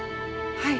はい。